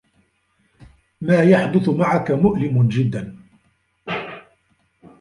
ما يحدث معك مؤلم جدّا.